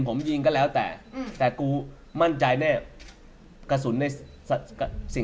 แล้วสนุกในวันเกิดที่เจ้าก็อยู่ตรงน้ำกิน